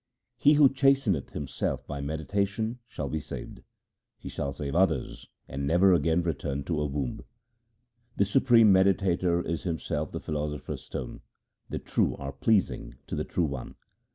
He who chasteneth himself by meditation shall be saved ; he shall save others and never again return to a womb. The supreme mediator is himself the philosopher's stone ; the true are pleasing to the True One.